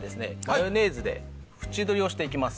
マヨネーズで縁取りをしていきます。